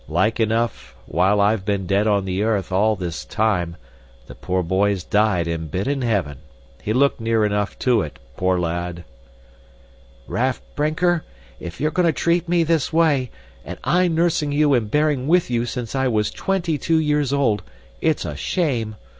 "Like enough while I've been dead on the earth, all this time, the poor boy's died and been in heaven. He looked near enough to it, poor lad!" "Raff Brinker! If you're going to treat me this way, and I nursing you and bearing with you since I was twenty two years old, it's a shame.